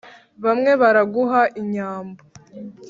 Bamwe baraguha inyambo